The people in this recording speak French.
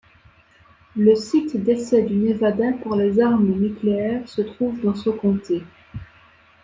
Le site d'essais du Nevada pour les armes nucléaires se trouve dans ce comté.